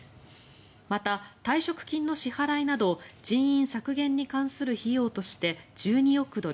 また、退職金の支払いなど人員削減に関する費用として１２億ドル